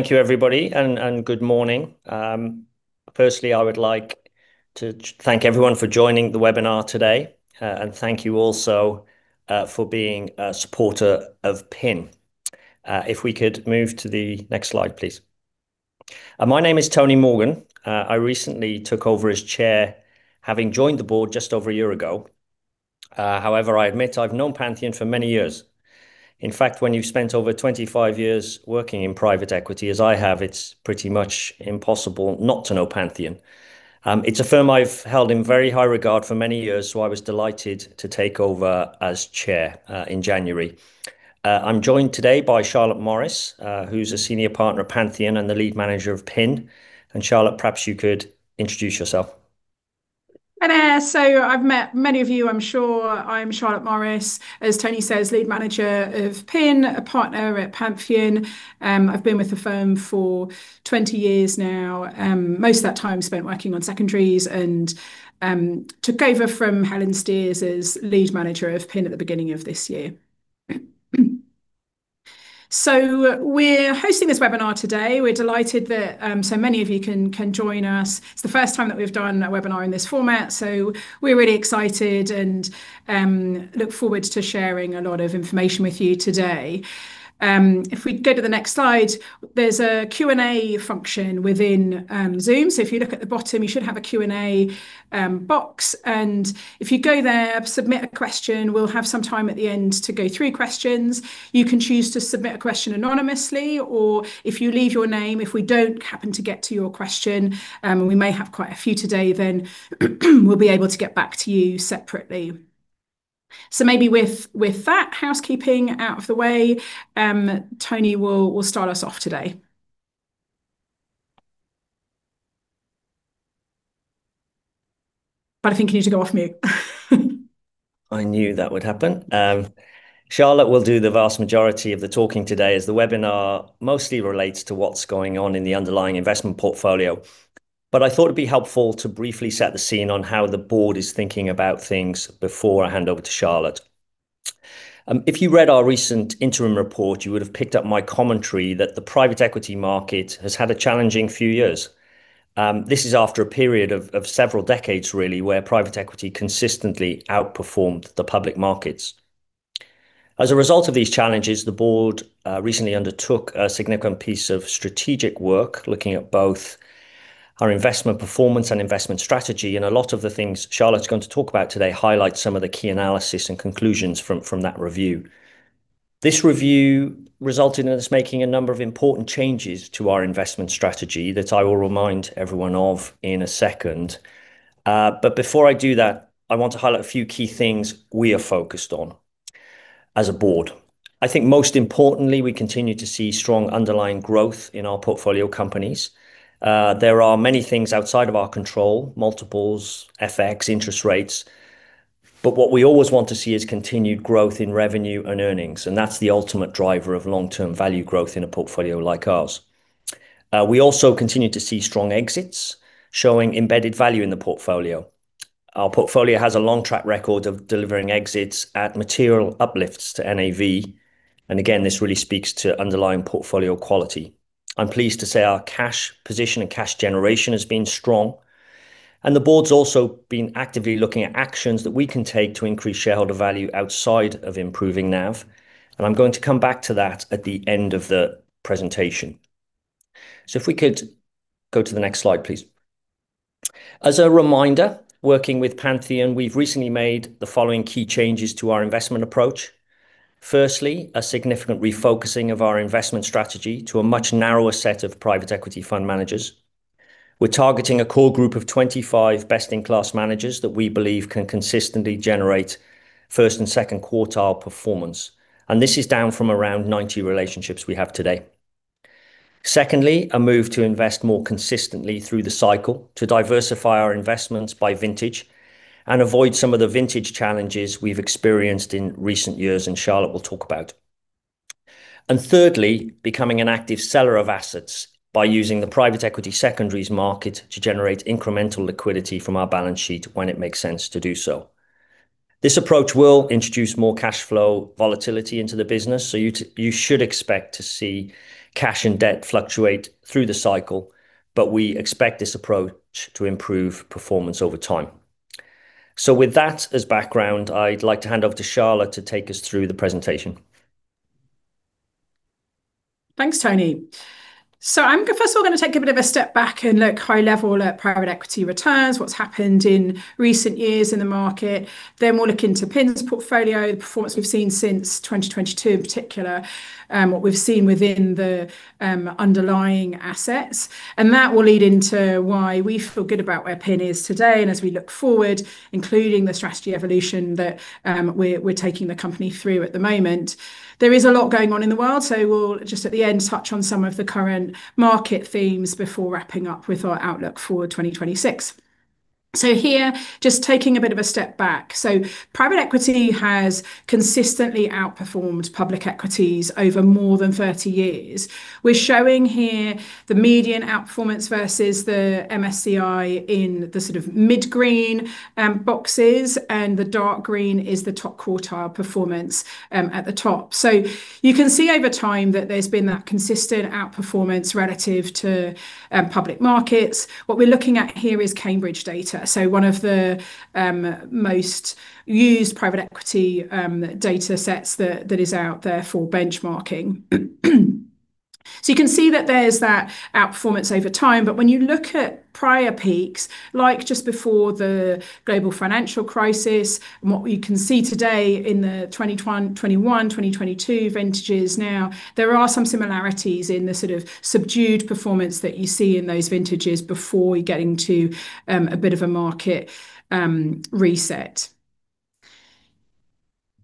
Thank you, everybody, and good morning. Firstly, I would like to thank everyone for joining the webinar today. Thank you also for being a supporter of PIN. If we could move to the next slide, please. My name is Tony Morgan. I recently took over as chair, having joined the board just over a year ago. However, I admit I've known Pantheon for many years. In fact, when you've spent over 25 years working in private equity as I have, it's pretty much impossible not to know Pantheon. It's a firm I've held in very high regard for many years, so I was delighted to take over as chair in January. I'm joined today by Charlotte Morris, who's a senior partner at Pantheon and the lead manager of PIN. Charlotte, perhaps you could introduce yourself. I've met many of you, I'm sure. I'm Charlotte Morris, as Tony says, Lead Manager of PIN, a Partner at Pantheon. I've been with the firm for 20 years now, most of that time spent working on secondaries and, took over from Helen Steers as Lead Manager of PIN at the beginning of this year. We're hosting this webinar today. We're delighted that, so many of you can join us. It's the first time that we've done a webinar in this format, so we're really excited and, look forward to sharing a lot of information with you today. If we go to the next slide, there's a Q&A function within, Zoom. If you look at the bottom, you should have a Q&A box, and if you go there, submit a question, we'll have some time at the end to go through questions. You can choose to submit a question anonymously, or if you leave your name, if we don't happen to get to your question, we may have quite a few today, then we'll be able to get back to you separately. Maybe with that housekeeping out of the way, Tony will start us off today. I think you need to go off mute. I knew that would happen. Charlotte will do the vast majority of the talking today as the webinar mostly relates to what's going on in the underlying investment portfolio. I thought it'd be helpful to briefly set the scene on how the board is thinking about things before I hand over to Charlotte. If you read our recent interim report, you would have picked up my commentary that the private equity market has had a challenging few years. This is after a period of several decades, really, where private equity consistently outperformed the public markets. As a result of these challenges, the board recently undertook a significant piece of strategic work, looking at both our investment performance and investment strategy, and a lot of the things Charlotte's going to talk about today highlight some of the key analysis and conclusions from that review. This review resulted in us making a number of important changes to our investment strategy that I will remind everyone of in a second. Before I do that, I want to highlight a few key things we are focused on as a board. I think most importantly, we continue to see strong underlying growth in our portfolio companies. There are many things outside of our control, multiples, FX, interest rates. What we always want to see is continued growth in revenue and earnings, and that's the ultimate driver of long-term value growth in a portfolio like ours. We also continue to see strong exits showing embedded value in the portfolio. Our portfolio has a long track record of delivering exits at material uplifts to NAV. Again, this really speaks to underlying portfolio quality. I'm pleased to say our cash position and cash generation has been strong, and the board's also been actively looking at actions that we can take to increase shareholder value outside of improving NAV. I'm going to come back to that at the end of the presentation. If we could go to the next slide, please. As a reminder, working with Pantheon, we've recently made the following key changes to our investment approach. Firstly, a significant refocusing of our investment strategy to a much narrower set of private equity fund managers. We're targeting a core group of 25 best-in-class managers that we believe can consistently generate first and second quartile performance. This is down from around 90 relationships we have today. Secondly, a move to invest more consistently through the cycle to diversify our investments by vintage and avoid some of the vintage challenges we've experienced in recent years, and Charlotte will talk about. Thirdly, becoming an active seller of assets by using the private equity secondaries market to generate incremental liquidity from our balance sheet when it makes sense to do so. This approach will introduce more cash flow volatility into the business, so you should expect to see cash and debt fluctuate through the cycle, but we expect this approach to improve performance over time. With that as background, I'd like to hand over to Charlotte to take us through the presentation. Thanks, Tony. I'm first of all going to take a bit of a step back and look high level at private equity returns, what's happened in recent years in the market. Then we'll look into PIN's portfolio, the performance we've seen since 2022, in particular, what we've seen within the underlying assets. That will lead into why we feel good about where PIN is today and as we look forward, including the strategy evolution that we're taking the company through at the moment. There is a lot going on in the world, so we'll just at the end touch on some of the current market themes before wrapping up with our outlook for 2026. Here, just taking a bit of a step back. Private equity has consistently outperformed public equities over more than 30 years. We're showing here the median outperformance versus the MSCI in the sort of mid-green boxes, and the dark green is the top quartile performance at the top. You can see over time that there's been that consistent outperformance relative to public markets. What we're looking at here is Cambridge data, so one of the most used private equity data sets that is out there for benchmarking. You can see that there's that outperformance over time. When you look at prior peaks, like just before the global financial crisis and what we can see today in the 2021, 2022 vintages now, there are some similarities in the sort of subdued performance that you see in those vintages before you're getting to a bit of a market reset.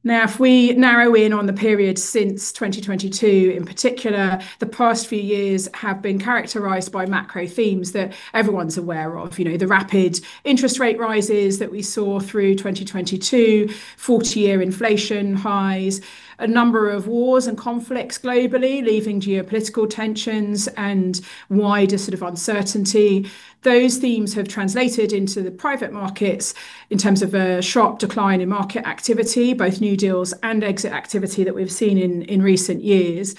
Now, if we narrow in on the period since 2022 in particular, the past few years have been characterized by macro themes that everyone's aware of. You know, the rapid interest rate rises that we saw through 2022, 40-year inflation highs, a number of wars and conflicts globally, leaving geopolitical tensions and wider sort of uncertainty. Those themes have translated into the private markets in terms of a sharp decline in market activity, both new deals and exit activity that we've seen in recent years,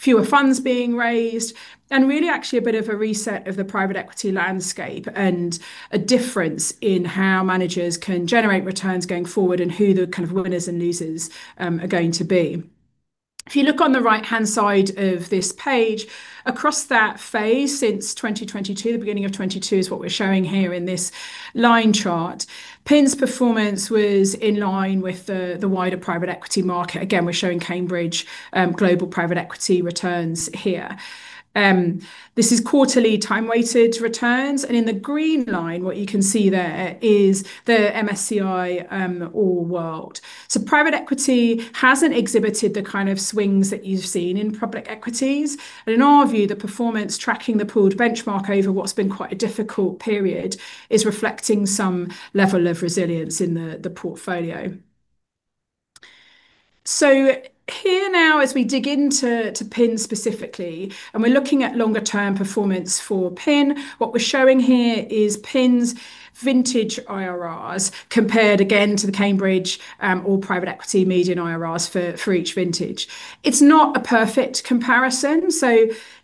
fewer funds being raised, and really actually a bit of a reset of the private equity landscape and a difference in how managers can generate returns going forward and who the kind of winners and losers are going to be. If you look on the right-hand side of this page, across that phase since 2022, the beginning of 2022 is what we're showing here in this line chart. PIN's performance was in line with the wider private equity market. Again, we're showing Cambridge global private equity returns here. This is quarterly time-weighted returns, and in the green line, what you can see there is the MSCI All World. Private equity hasn't exhibited the kind of swings that you've seen in public equities. In our view, the performance tracking the pooled benchmark over what's been quite a difficult period is reflecting some level of resilience in the portfolio. Here now as we dig into to PIN specifically, and we're looking at longer term performance for PIN, what we're showing here is PIN's vintage IRRs compared again to the Cambridge All Private Equity median IRRs for each vintage. It's not a perfect comparison.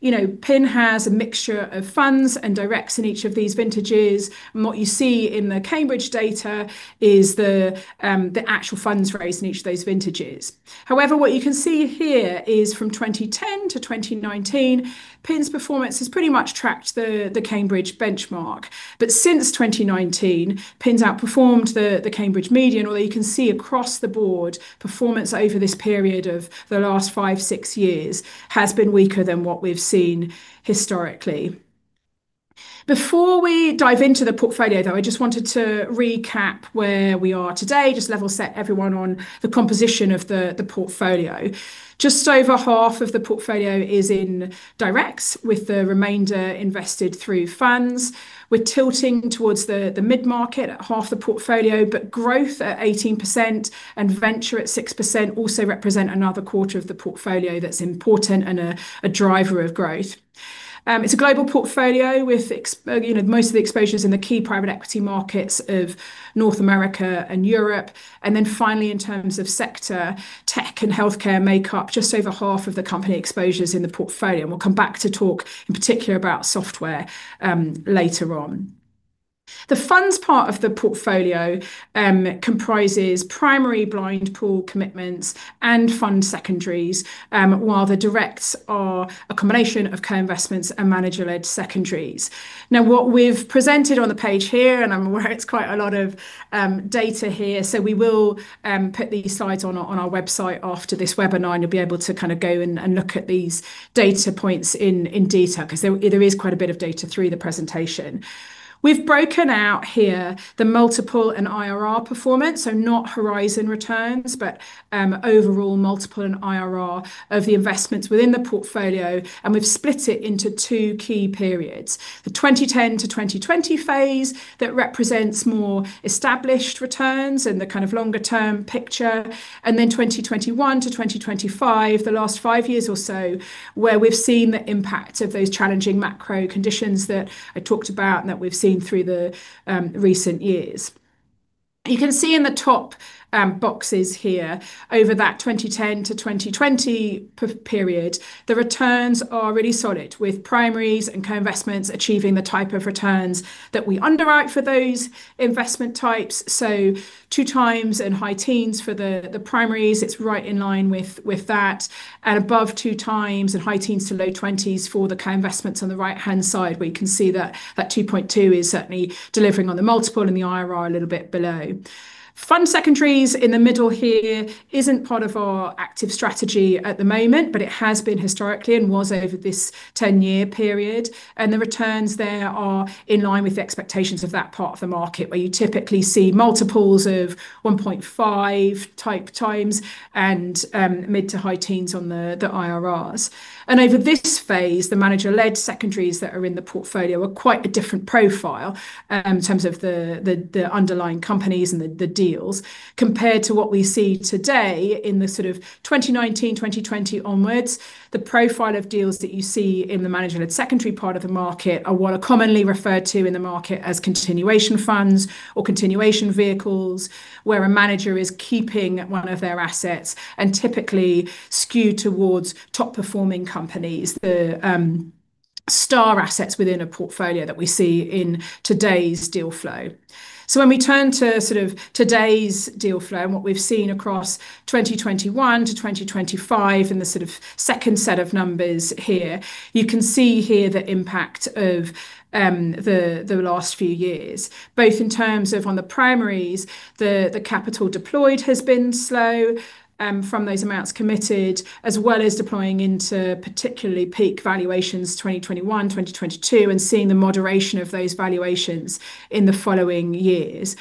You know, PIN has a mixture of funds and directs in each of these vintages. What you see in the Cambridge data is the actual funds raised in each of those vintages. However, what you can see here is from 2010 to 2019, PIN's performance has pretty much tracked the Cambridge benchmark. Since 2019, PIN's outperformed the Cambridge median, although you can see across the board performance over this period of the last five, six years has been weaker than what we've seen historically. Before we dive into the portfolio, though, I just wanted to recap where we are today, just level set everyone on the composition of the portfolio. Just over half of the portfolio is in directs with the remainder invested through funds. We're tilting towards the mid-market at half the portfolio, but growth at 18% and venture at 6% also represent another quarter of the portfolio that's important and a driver of growth. It's a global portfolio with you know, most of the exposures in the key private equity markets of North America and Europe. Finally, in terms of sector, tech and healthcare make up just over half of the company exposures in the portfolio. We'll come back to talk in particular about software later on. The funds part of the portfolio comprises primary blind pool commitments and fund secondaries, while the directs are a combination of co-investments and manager-led secondaries. Now, what we've presented on the page here, and I'm aware it's quite a lot of data here, so we will put these slides on our website after this webinar, and you'll be able to kind of go and look at these data points in detail because there is quite a bit of data through the presentation. We've broken out here the multiple and IRR performance, so not horizon returns, but overall multiple and IRR of the investments within the portfolio, and we've split it into two key periods. The 2010-2020 phase that represents more established returns and the kind of longer term picture, and then 2021-2025, the last five years or so, where we've seen the impact of those challenging macro conditions that I talked about and that we've seen through the recent years. You can see in the top boxes here over that 2010-2020 period, the returns are really solid with primaries and co-investments achieving the type of returns that we underwrite for those investment types. 2x in high teens for the primaries, it's right in line with that, and above 2x in high teens-low twenties for the co-investments on the right-hand side, where you can see that 2.2 is certainly delivering on the multiple and the IRR a little bit below. Fund secondaries in the middle here isn't part of our active strategy at the moment, but it has been historically and was over this 10-year period. The returns there are in line with the expectations of that part of the market, where you typically see multiples of 1.5x and mid- to high teens on the IRRs. Over this phase, the manager-led secondaries that are in the portfolio are quite a different profile in terms of the underlying companies and the deals compared to what we see today in the sort of 2019, 2020 onwards. The profile of deals that you see in the manager-led secondary part of the market are what are commonly referred to in the market as continuation funds or continuation vehicles, where a manager is keeping one of their assets and typically skewed towards top performing companies. The star assets within a portfolio that we see in today's deal flow. When we turn to sort of today's deal flow and what we've seen across 2021 to 2025 in the sort of second set of numbers here, you can see here the impact of the last few years, both in terms of on the primaries, the capital deployed has been slow from those amounts committed, as well as deploying into particularly peak valuations 2021, 2022, and seeing the moderation of those valuations in the following years.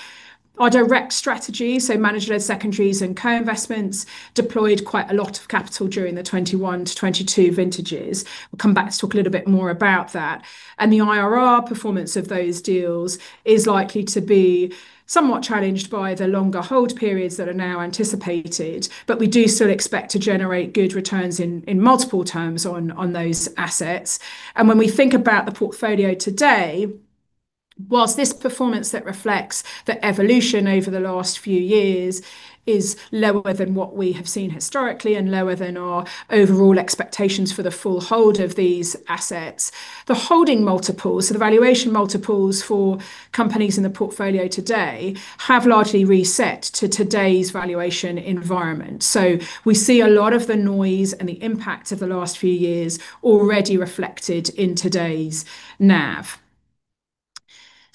Our direct strategy, so manager-led secondaries and co-investments, deployed quite a lot of capital during the 2021 to 2022 vintages. We'll come back to talk a little bit more about that. The IRR performance of those deals is likely to be somewhat challenged by the longer hold periods that are now anticipated. We do still expect to generate good returns in multiple terms on those assets. When we think about the portfolio today, while this performance that reflects the evolution over the last few years is lower than what we have seen historically and lower than our overall expectations for the full hold of these assets, the holding multiples, so the valuation multiples for companies in the portfolio today, have largely reset to today's valuation environment. We see a lot of the noise and the impact of the last few years already reflected in today's NAV.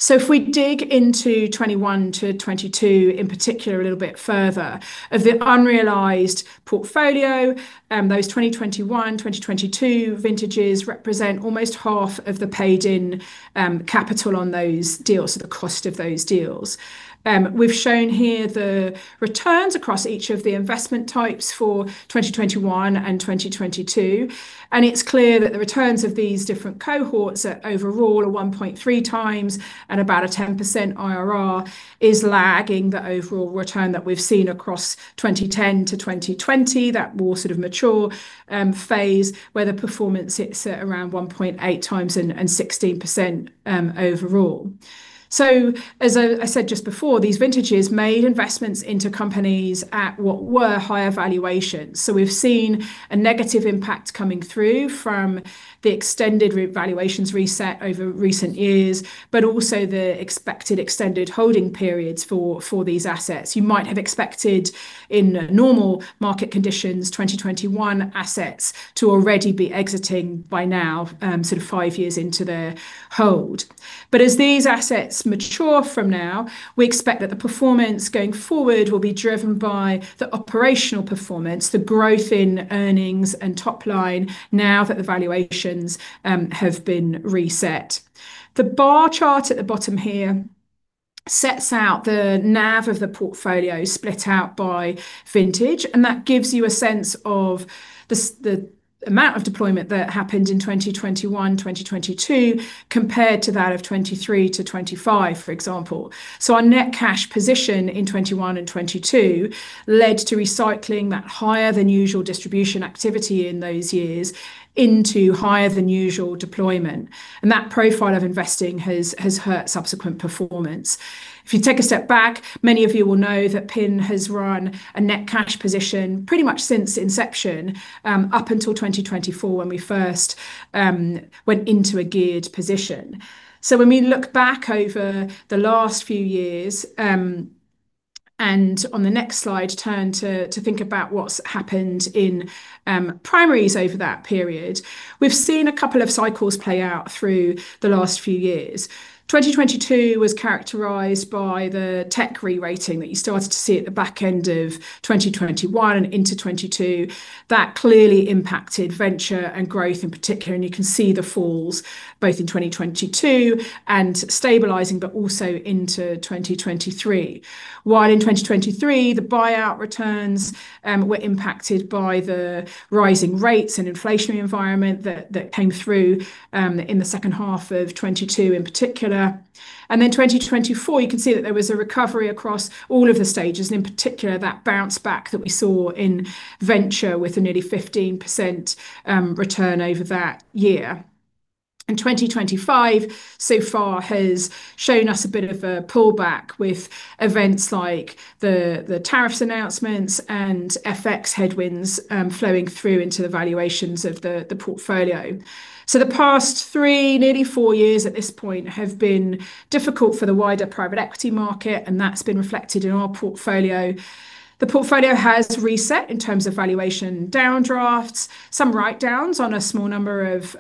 If we dig into 2021-2022, in particular, a little bit further, of the unrealized portfolio, those 2021, 2022 vintages represent almost half of the paid-in capital on those deals, so the cost of those deals. We've shown here the returns across each of the investment types for 2021 and 2022, and it's clear that the returns of these different cohorts are overall 1.3x and about a 10% IRR, lagging the overall return that we've seen across 2010 to 2020, that more sort of mature phase where the performance sits at around 1.8x and 16% overall. As I said just before, these vintages made investments into companies at what were higher valuations. We've seen a negative impact coming through from the extended revaluation reset over recent years, but also the expected extended holding periods for these assets. You might have expected in normal market conditions 2021 assets to already be exiting by now, sort of five years into their hold. As these assets mature from now, we expect that the performance going forward will be driven by the operational performance, the growth in earnings and top line now that the valuations have been reset. The bar chart at the bottom here sets out the NAV of the portfolio split out by vintage, and that gives you a sense of the amount of deployment that happened in 2021, 2022, compared to that of 2023 to 2025, for example. Our net cash position in 2021 and 2022 led to recycling that higher than usual distribution activity in those years into higher than usual deployment. That profile of investing has hurt subsequent performance. If you take a step back, many of you will know that PIN has run a net cash position pretty much since inception, up until 2024 when we first went into a geared position. When we look back over the last few years, and on the next slide, turn to think about what's happened in primaries over that period, we've seen a couple of cycles play out through the last few years. 2022 was characterized by the tech rerating that you started to see at the back end of 2021 and into 2022. That clearly impacted venture and growth in particular, and you can see the falls both in 2022 and stabilizing, but also into 2023. While in 2023, the buyout returns were impacted by the rising rates and inflationary environment that came through in the second half of 2022 in particular. Then 2024, you can see that there was a recovery across all of the stages, and in particular, that bounce back that we saw in venture with a nearly 15% return over that year. 2025 so far has shown us a bit of a pullback with events like the tariffs announcements and FX headwinds flowing through into the valuations of the portfolio. The past three, nearly four years at this point, have been difficult for the wider private equity market, and that's been reflected in our portfolio. The portfolio has reset in terms of valuation downdrafts, some write-downs on a small number of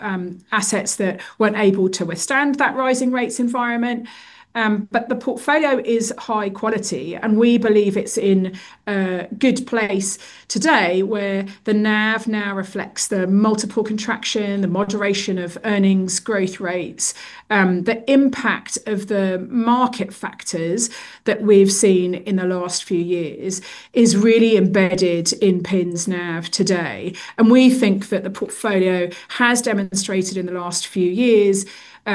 assets that weren't able to withstand that rising rates environment. The portfolio is high quality, and we believe it's in a good place today, where the NAV now reflects the multiple contraction, the moderation of earnings growth rates. The impact of the market factors that we've seen in the last few years is really embedded in PIN's NAV today. We think that the portfolio has demonstrated in the last few years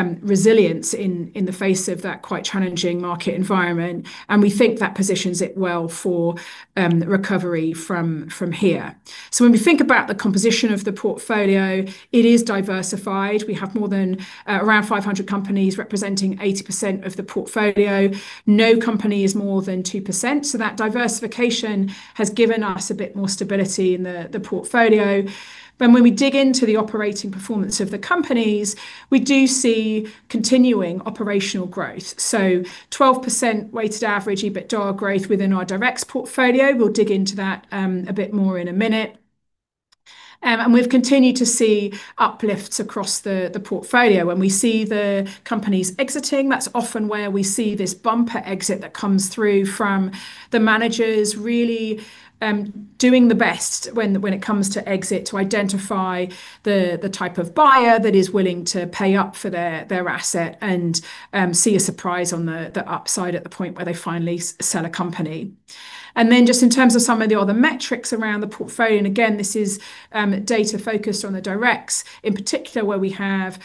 resilience in the face of that quite challenging market environment, and we think that positions it well for recovery from here. When we think about the composition of the portfolio, it is diversified. We have more than around 500 companies representing 80% of the portfolio. No company is more than 2%, so that diversification has given us a bit more stability in the portfolio. When we dig into the operating performance of the companies, we do see continuing operational growth. 12% weighted average EBITDA growth within our direct portfolio. We'll dig into that a bit more in a minute. We've continued to see uplifts across the portfolio. When we see the companies exiting, that's often where we see this bumper exit that comes through from the managers really doing the best when it comes to exit to identify the type of buyer that is willing to pay up for their asset and see a surprise on the upside at the point where they finally sell a company. Then just in terms of some of the other metrics around the portfolio, and again, this is data focused on the directs, in particular, where we have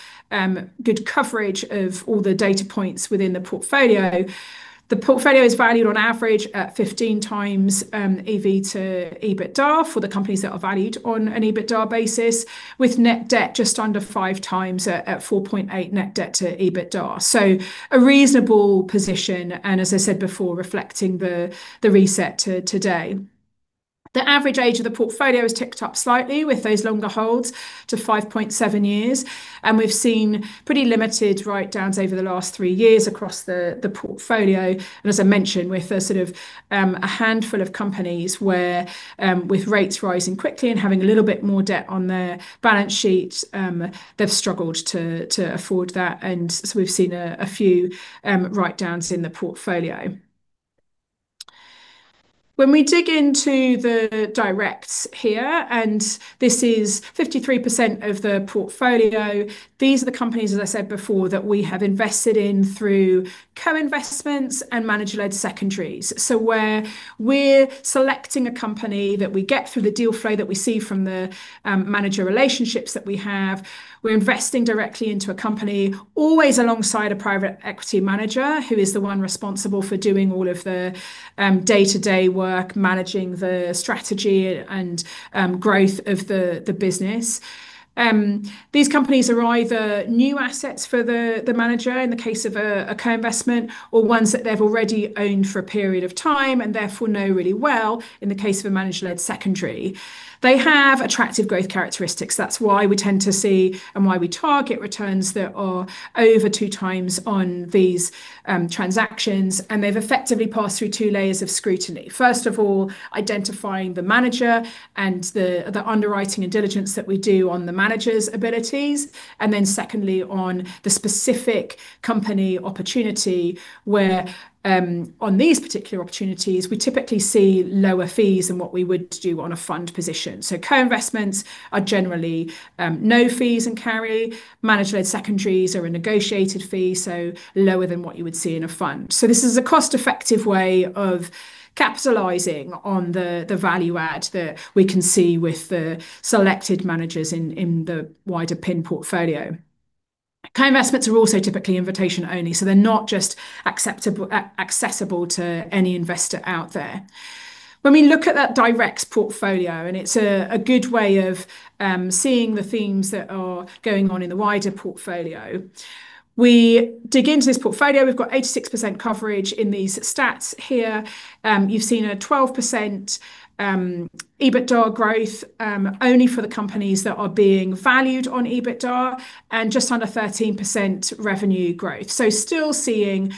good coverage of all the data points within the portfolio. The portfolio is valued on average at 15x EV/EBITDA for the companies that are valued on an EBITDA basis, with net debt just under 5x at 4.8x net debt to EBITDA. So a reasonable position, and as I said before, reflecting the reset to today. The average age of the portfolio has ticked up slightly with those longer holds to 5.7 years, and we've seen pretty limited write-downs over the last three years across the portfolio. As I mentioned, we're sort of a handful of companies where with rates rising quickly and having a little bit more debt on their balance sheets, they've struggled to afford that. We've seen a few write-downs in the portfolio. When we dig into the directs here, and this is 53% of the portfolio, these are the companies, as I said before, that we have invested in through co-investments and manager-led secondaries. Where we're selecting a company that we get through the deal flow that we see from the manager relationships that we have. We're investing directly into a company, always alongside a private equity manager who is the one responsible for doing all of the day-to-day work, managing the strategy and growth of the business. These companies are either new assets for the manager in the case of a co-investment or ones that they've already owned for a period of time and therefore know really well, in the case of a manager-led secondary. They have attractive growth characteristics. That's why we tend to see and why we target returns that are over 2x on these transactions, and they've effectively passed through two layers of scrutiny. First of all, identifying the manager and the underwriting and diligence that we do on the manager's abilities, and then secondly, on the specific company opportunity where, on these particular opportunities, we typically see lower fees than what we would do on a fund position. Co-investments are generally no fees and carry. Manager-led secondaries are a negotiated fee, so lower than what you would see in a fund. This is a cost-effective way of capitalizing on the value add that we can see with the selected managers in the wider PIN portfolio. Co-investments are also typically invitation only, so they're not just accessible to any investor out there. When we look at that direct portfolio, and it's a good way of seeing the themes that are going on in the wider portfolio. We dig into this portfolio. We've got 86% coverage in these stats here. You've seen a 12% EBITDA growth only for the companies that are being valued on EBITDA and just under 13% revenue growth. Still seeing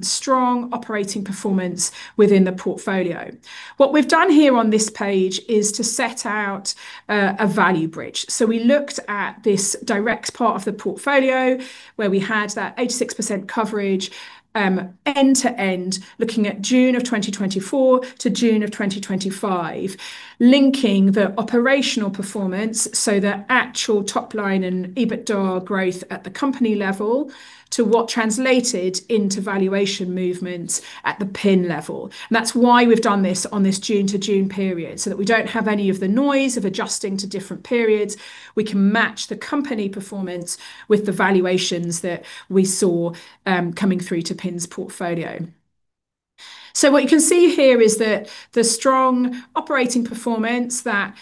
strong operating performance within the portfolio. What we've done here on this page is to set out a value bridge. We looked at this direct part of the portfolio where we had that 86% coverage, end to end, looking at June 2024 to June 2025, linking the operational performance, so the actual top line and EBITDA growth at the company level to what translated into valuation movements at the PIN level. That's why we've done this on this June to June period, so that we don't have any of the noise of adjusting to different periods. We can match the company performance with the valuations that we saw, coming through to PIN's portfolio. What you can see here is the strong operating performance that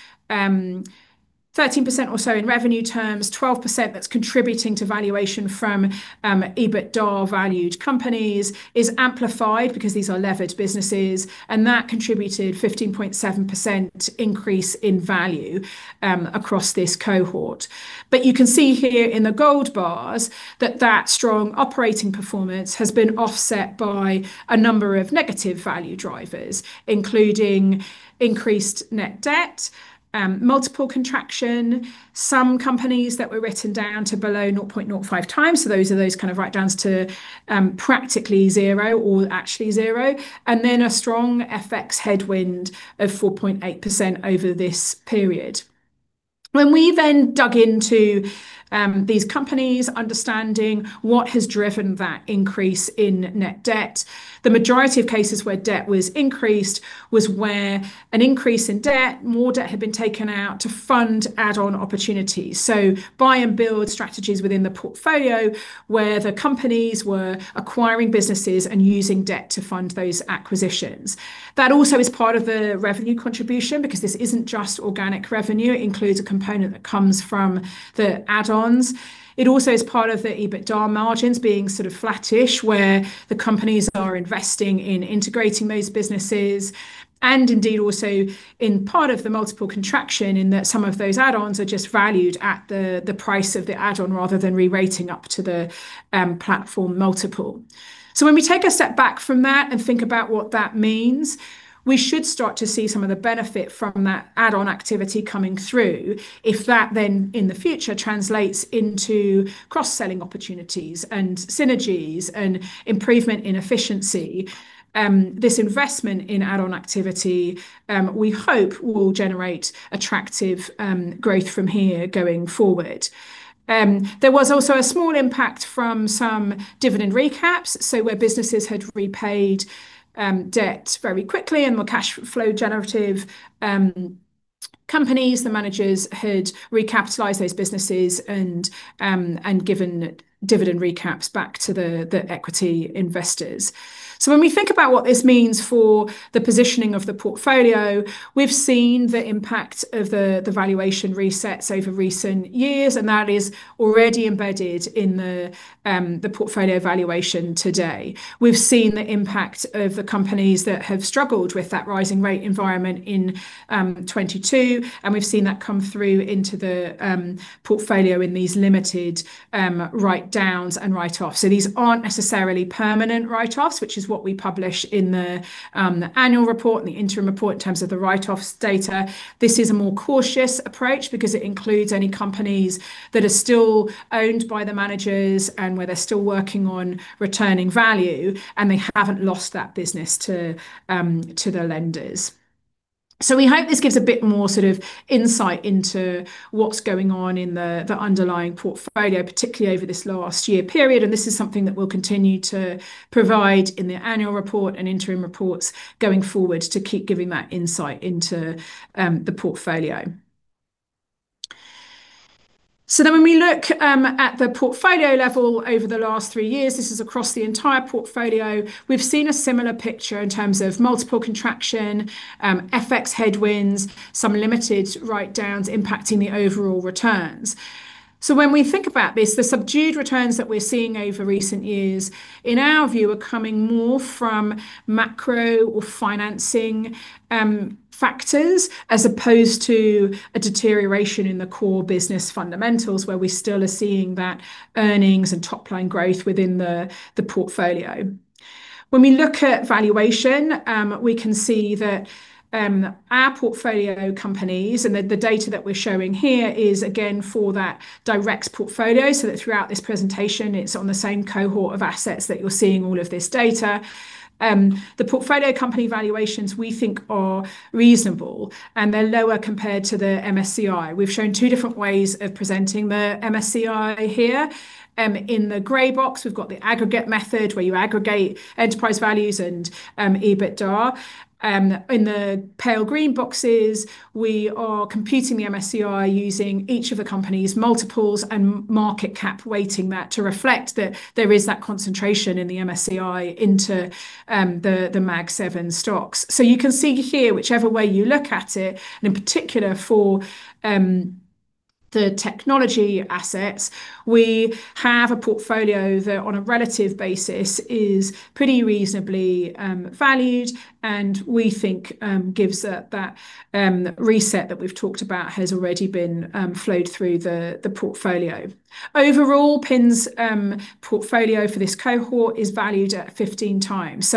13% or so in revenue terms, 12% that's contributing to valuation from EBITDA valued companies is amplified because these are leveraged businesses, and that contributed 15.7% increase in value across this cohort. You can see here in the gold bars that that strong operating performance has been offset by a number of negative value drivers, including increased net debt, multiple contraction, some companies that were written down to below 0.05x. Those are the kind of write-downs to practically zero or actually zero, and then a strong FX headwind of 4.8% over this period. When we dug into these companies understanding what has driven that increase in net debt, the majority of cases where debt was increased was where an increase in debt, more debt had been taken out to fund add-on opportunities. Buy and build strategies within the portfolio where the companies were acquiring businesses and using debt to fund those acquisitions. That also is part of the revenue contribution because this isn't just organic revenue. It includes a component that comes from the add-ons. It also is part of the EBITDA margins being sort of flattish, where the companies are investing in integrating those businesses and indeed also in part of the multiple contraction in that some of those add-ons are just valued at the price of the add-on rather than re-rating up to the platform multiple. When we take a step back from that and think about what that means. We should start to see some of the benefit from that add-on activity coming through, if that then in the future translates into cross-selling opportunities and synergies and improvement in efficiency, this investment in add-on activity, we hope will generate attractive, growth from here going forward. There was also a small impact from some dividend recaps, so where businesses had repaid, debt very quickly and were cash flow generative, companies, the managers had recapitalized those businesses and given dividend recaps back to the equity investors. When we think about what this means for the positioning of the portfolio, we've seen the impact of the valuation resets over recent years, and that is already embedded in the portfolio valuation today. We've seen the impact of the companies that have struggled with that rising rate environment in 2022, and we've seen that come through into the portfolio in these limited write-downs and write-offs. These aren't necessarily permanent write-offs, which is what we publish in the annual report and the interim report in terms of the write-offs data. This is a more cautious approach because it includes any companies that are still owned by the managers and where they're still working on returning value, and they haven't lost that business to the lenders. We hope this gives a bit more sort of insight into what's going on in the underlying portfolio, particularly over this last year period, and this is something that we'll continue to provide in the annual report and interim reports going forward to keep giving that insight into the portfolio. When we look at the portfolio level over the last three years, this is across the entire portfolio, we've seen a similar picture in terms of multiple contraction, FX headwinds, some limited write-downs impacting the overall returns. When we think about this, the subdued returns that we're seeing over recent years, in our view, are coming more from macro or financing factors as opposed to a deterioration in the core business fundamentals where we still are seeing that earnings and top-line growth within the portfolio. When we look at valuation, we can see that our portfolio companies and the data that we're showing here is again for that direct portfolio, so that throughout this presentation, it's on the same cohort of assets that you're seeing all of this data. The portfolio company valuations we think are reasonable, and they're lower compared to the MSCI. We've shown two different ways of presenting the MSCI here. In the gray box, we've got the aggregate method where you aggregate enterprise values and EBITDA. In the pale green boxes, we are computing the MSCI using each of the company's multiples and market cap weighting that to reflect that there is that concentration in the MSCI into the Mag Seven stocks. You can see here, whichever way you look at it, and in particular for the technology assets, we have a portfolio that on a relative basis is pretty reasonably valued and we think gives that reset that we've talked about has already been flowed through the portfolio. Overall, PIN's portfolio for this cohort is valued at 15x.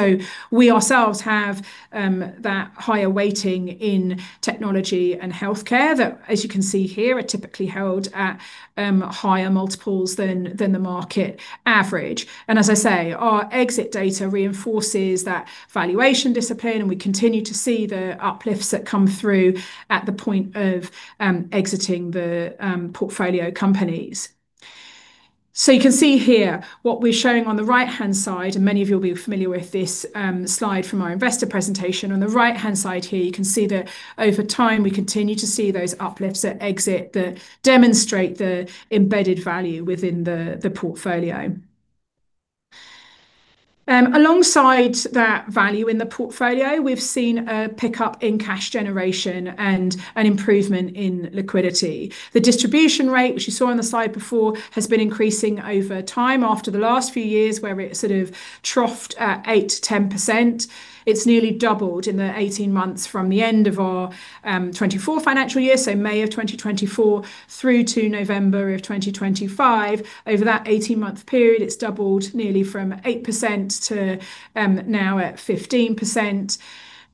We ourselves have that higher weighting in technology and healthcare that, as you can see here, are typically held at higher multiples than the market average. As I say, our exit data reinforces that valuation discipline, and we continue to see the uplifts that come through at the point of exiting the portfolio companies. You can see here what we're showing on the right-hand side, and many of you will be familiar with this slide from our investor presentation. On the right-hand side here, you can see that over time, we continue to see those uplifts at exit that demonstrate the embedded value within the portfolio. Alongside that value in the portfolio, we've seen a pickup in cash generation and an improvement in liquidity. The distribution rate, which you saw on the slide before, has been increasing over time after the last few years where it sort of troughed at 8%-10%. It's nearly doubled in the 18 months from the end of our FY 2024, so May of 2024 through to November of 2025. Over that 18-month period, it's doubled nearly from 8% to now at 15%.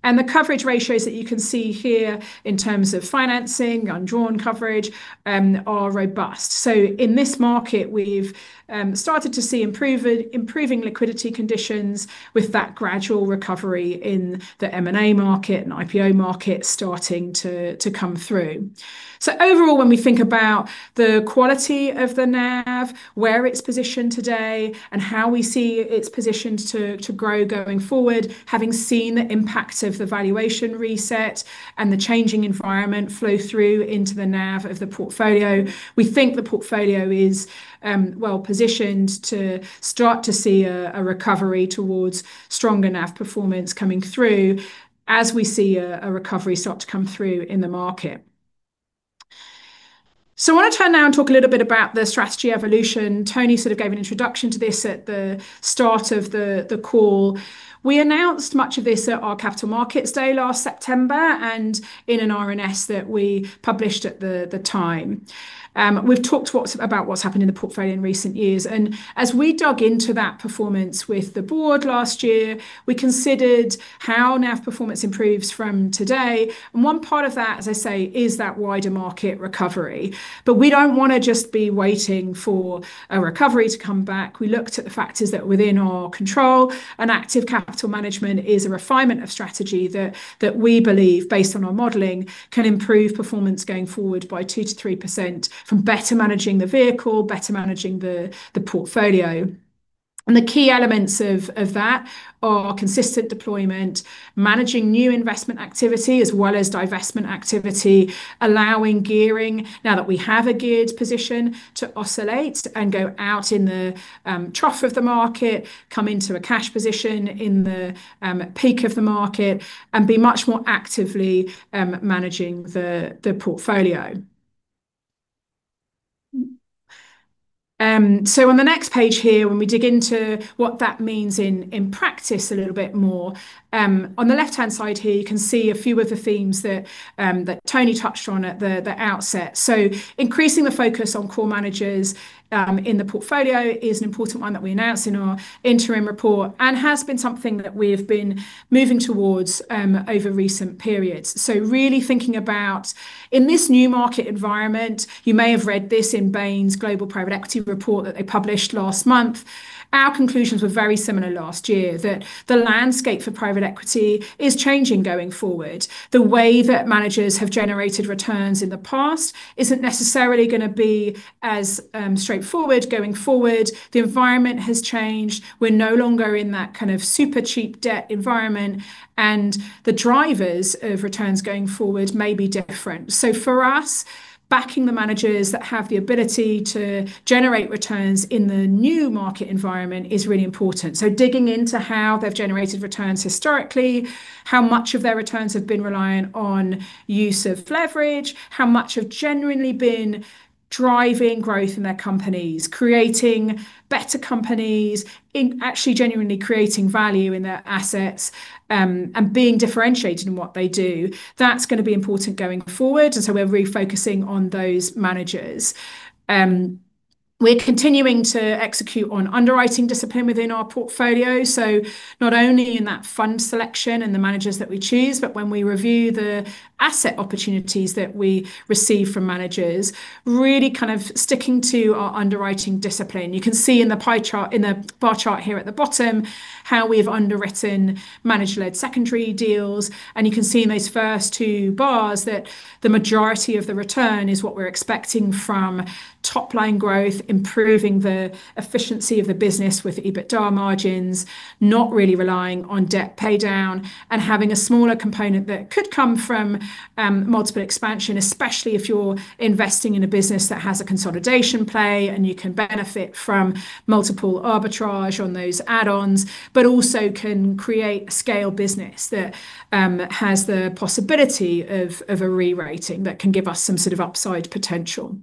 The coverage ratios that you can see here in terms of financing, undrawn coverage, are robust. In this market, we've started to see improving liquidity conditions with that gradual recovery in the M&A market and IPO market starting to come through. Overall, when we think about the quality of the NAV, where it's positioned today, and how we see it's positioned to grow going forward, having seen the impact of the valuation reset and the changing environment flow through into the NAV of the portfolio, we think the portfolio is well positioned to start to see a recovery towards stronger NAV performance coming through as we see a recovery start to come through in the market. I want to turn now and talk a little bit about the strategy evolution. Tony sort of gave an introduction to this at the start of the call. We announced much of this at our Capital Markets Day last September, and in an RNS that we published at the time. We've talked about what's happened in the portfolio in recent years, and as we dug into that performance with the board last year, we considered how now if performance improves from today. One part of that, as I say, is that wider market recovery. We don't wanna just be waiting for a recovery to come back. We looked at the factors that are within our control, and active capital management is a refinement of strategy that we believe, based on our modeling, can improve performance going forward by 2%-3% from better managing the vehicle, better managing the portfolio. The key elements of that are consistent deployment, managing new investment activity as well as divestment activity, allowing gearing now that we have a geared position to oscillate and go out in the trough of the market, come into a cash position in the peak of the market, and be much more actively managing the portfolio. On the next page here, when we dig into what that means in practice a little bit more, on the left-hand side here, you can see a few of the themes that that Tony touched on at the outset. Increasing the focus on core managers in the portfolio is an important one that we announced in our interim report and has been something that we have been moving towards over recent periods. Really thinking about in this new market environment, you may have read this in Bain & Company's Global Private Equity Report that they published last month. Our conclusions were very similar last year, that the landscape for private equity is changing going forward. The way that managers have generated returns in the past isn't necessarily gonna be as straightforward going forward. The environment has changed. We're no longer in that kind of super cheap debt environment, and the drivers of returns going forward may be different. For us, backing the managers that have the ability to generate returns in the new market environment is really important. Digging into how they've generated returns historically, how much of their returns have been reliant on use of leverage, how much have genuinely been driving growth in their companies, creating better companies, actually genuinely creating value in their assets, and being differentiated in what they do, that's gonna be important going forward, and so we're refocusing on those managers. We're continuing to execute on underwriting discipline within our portfolio, so not only in that fund selection and the managers that we choose, but when we review the asset opportunities that we receive from managers, really kind of sticking to our underwriting discipline. You can see in the bar chart here at the bottom how we've underwritten manager-led secondary deals, and you can see in those first two bars that the majority of the return is what we're expecting from top line growth, improving the efficiency of the business with EBITDA margins, not really relying on debt pay down, and having a smaller component that could come from multiple expansion, especially if you're investing in a business that has a consolidation play and you can benefit from multiple arbitrage on those add-ons, but also can create a scale business that has the possibility of a rerating that can give us some sort of upside potential.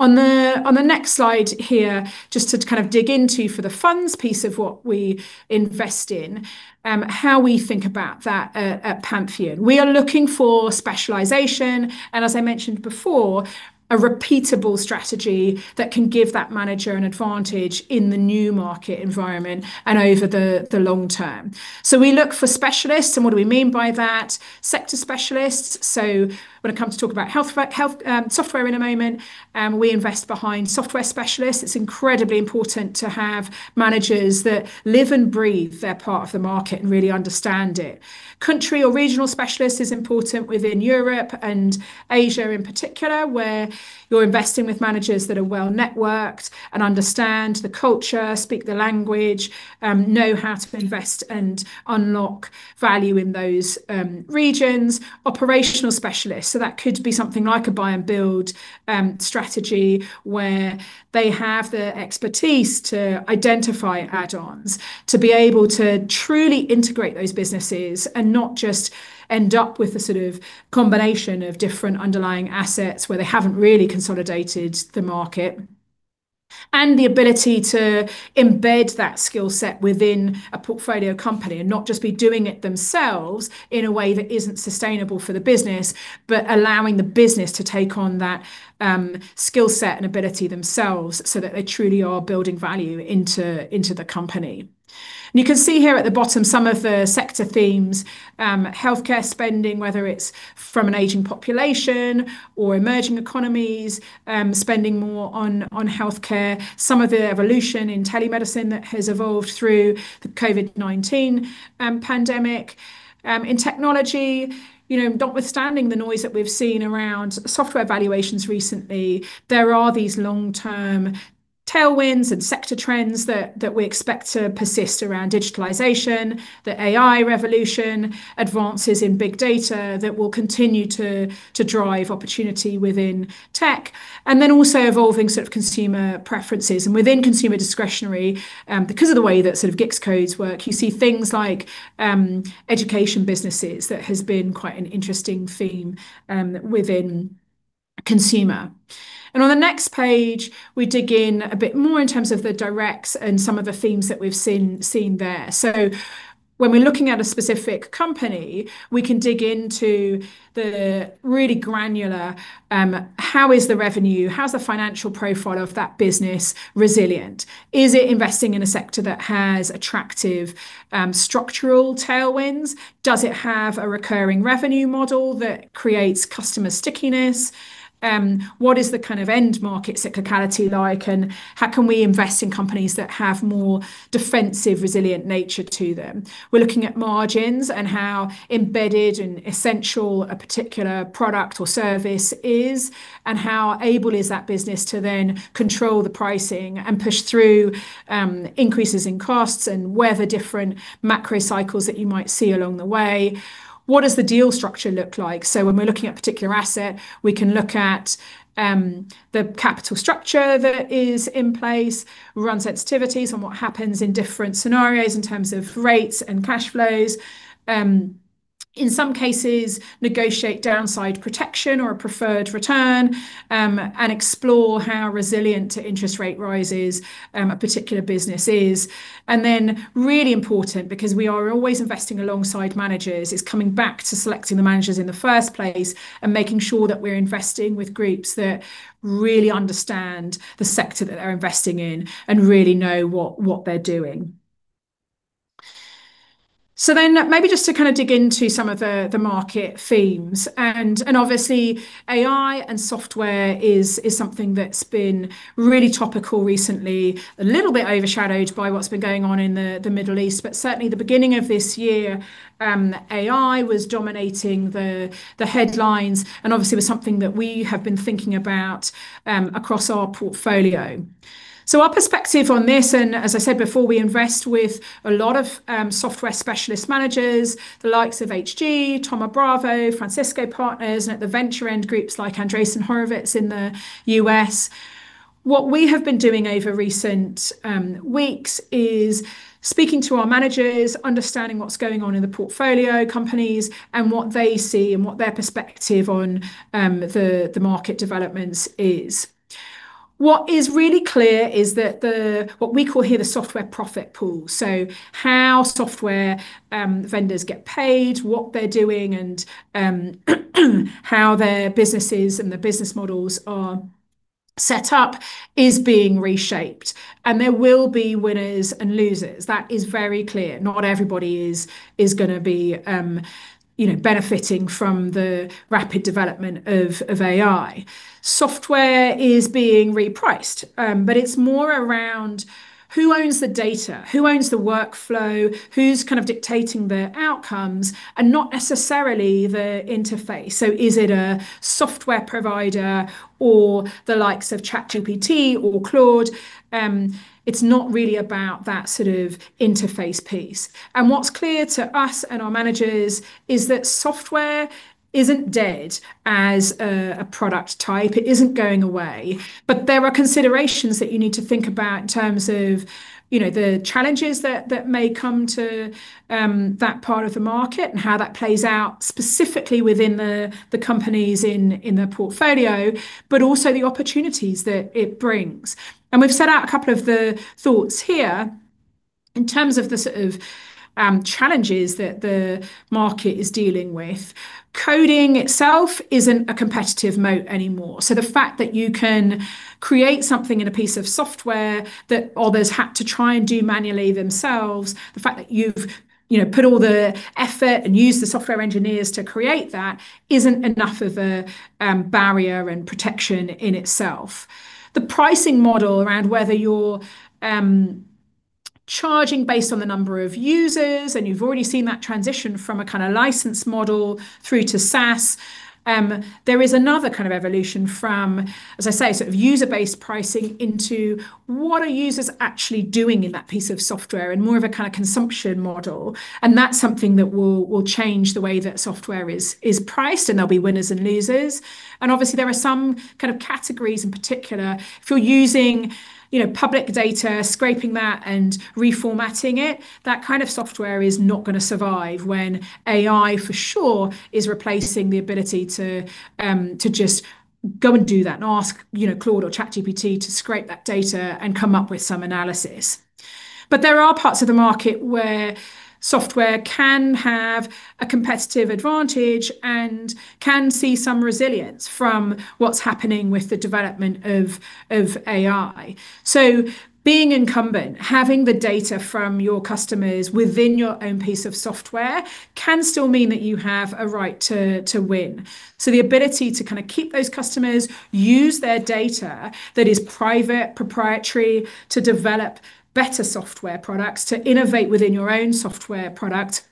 On the next slide here, just to kind of dig into for the funds piece of what we invest in, how we think about that at Pantheon. We are looking for specialization and, as I mentioned before, a repeatable strategy that can give that manager an advantage in the new market environment and over the long term. We look for specialists, and what do we mean by that? Sector specialists, so when it comes to talk about healthcare software in a moment, we invest behind software specialists. It's incredibly important to have managers that live and breathe their part of the market and really understand it. Country or regional specialists is important within Europe and Asia in particular, where you're investing with managers that are well-networked and understand the culture, speak the language, know how to invest and unlock value in those regions. Operational specialists, so that could be something like a buy and build strategy where they have the expertise to identify add-ons, to be able to truly integrate those businesses and not just end up with a sort of combination of different underlying assets where they haven't really consolidated the market. The ability to embed that skill set within a portfolio company and not just be doing it themselves in a way that isn't sustainable for the business, but allowing the business to take on that skill set and ability themselves so that they truly are building value into the company. You can see here at the bottom some of the sector themes, healthcare spending, whether it's from an aging population or emerging economies, spending more on healthcare. Some of the evolution in telemedicine that has evolved through the COVID-19 pandemic. In technology, you know, notwithstanding the noise that we've seen around software valuations recently, there are these long-term tailwinds and sector trends that we expect to persist around digitalization, the AI revolution, advances in big data that will continue to drive opportunity within tech, and then also evolving sort of consumer preferences. Within consumer discretionary, because of the way that sort of GICS codes work, you see things like education businesses that has been quite an interesting theme within consumer. On the next page, we dig in a bit more in terms of the directs and some of the themes that we've seen there. When we're looking at a specific company, we can dig into the really granular, how is the revenue, how's the financial profile of that business resilient? Is it investing in a sector that has attractive, structural tailwinds? Does it have a recurring revenue model that creates customer stickiness? What is the kind of end market cyclicality like? How can we invest in companies that have more defensive, resilient nature to them? We're looking at margins and how embedded and essential a particular product or service is, and how able is that business to then control the pricing and push through increases in costs and whether different macro cycles that you might see along the way. What does the deal structure look like? When we're looking at a particular asset, we can look at the capital structure that is in place, run sensitivities on what happens in different scenarios in terms of rates and cash flows. In some cases, negotiate downside protection or a preferred return, and explore how resilient to interest rate rises a particular business is. Really important, because we are always investing alongside managers, is coming back to selecting the managers in the first place and making sure that we're investing with groups that really understand the sector that they're investing in and really know what they're doing. Maybe just to kind of dig into some of the market themes and obviously AI and software is something that's been really topical recently. A little bit overshadowed by what's been going on in the Middle East, but certainly the beginning of this year, AI was dominating the headlines, and obviously was something that we have been thinking about across our portfolio. Our perspective on this, and as I said before, we invest with a lot of software specialist managers, the likes of Hg, Thoma Bravo, Francisco Partners, and at the venture end groups like Andreessen Horowitz in the U.S. What we have been doing over recent weeks is speaking to our managers, understanding what's going on in the portfolio companies and what they see and what their perspective on the market developments is. What is really clear is that what we call here the software profit pool, so how software vendors get paid, what they're doing and how their businesses and the business models are set up is being reshaped, and there will be winners and losers. That is very clear. Not everybody is gonna be you know, benefiting from the rapid development of AI. Software is being repriced, but it's more around who owns the data, who owns the workflow, who's kind of dictating the outcomes, and not necessarily the interface. Is it a software provider or the likes of ChatGPT or Claude? It's not really about that sort of interface piece. What's clear to us and our managers is that software isn't dead as a product type. It isn't going away. There are considerations that you need to think about in terms of, you know, the challenges that may come to that part of the market and how that plays out specifically within the companies in the portfolio, but also the opportunities that it brings. We've set out a couple of the thoughts here in terms of the sort of challenges that the market is dealing with. Coding itself isn't a competitive moat anymore, so the fact that you can create something in a piece of software that others had to try and do manually themselves, the fact that you've, you know, put all the effort and used the software engineers to create that isn't enough of a barrier and protection in itself. The pricing model around whether you're charging based on the number of users, and you've already seen that transition from a kind of license model through to SaaS. There is another kind of evolution from, as I say, sort of user-based pricing into what are users actually doing in that piece of software and more of a kind of consumption model, and that's something that will change the way that software is priced, and there'll be winners and losers. Obviously there are some kind of categories in particular. If you're using, you know, public data, scraping that and reformatting it, that kind of software is not gonna survive when AI for sure is replacing the ability to just go and do that and ask, you know, Claude or ChatGPT to scrape that data and come up with some analysis. There are parts of the market where software can have a competitive advantage and can see some resilience from what's happening with the development of AI. Being incumbent, having the data from your customers within your own piece of software can still mean that you have a right to win. The ability to kind of keep those customers, use their data that is private, proprietary to develop better software products, to innovate within your own software product.